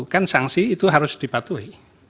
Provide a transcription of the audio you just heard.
kan sanksi itu harus dipatuhi